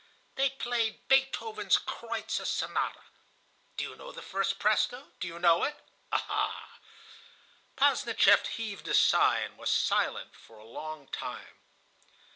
They played Beethoven's 'Kreutzer Sonata.' Do you know the first presto? Do you know it? Ah!" ... Posdnicheff heaved a sigh, and was silent for a long time.